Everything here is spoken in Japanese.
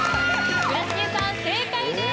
村重さん正解です！